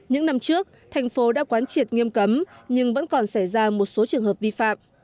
những năm trước thành phố đã quán triệt nghiêm cấm nhưng vẫn còn xảy ra một số trường hợp vi phạm